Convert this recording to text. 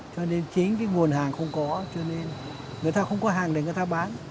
cho nên chính cái nguồn hàng không có cho nên người ta không có hàng để người ta bán